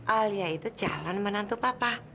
alia itu jalan menantu papa